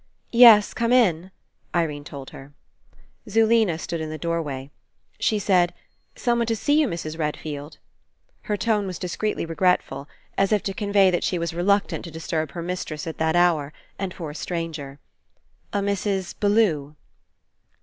*'Yes. Come In,^' Irene told her. Zulena stood In the doorway. She said: "Someone to see you, Mrs. Redfield." Her tone was discreetly regretful, as If to convey that she was reluctant to disturb her mistress at that hour, and for a stranger. "A Mrs. Bel lew.'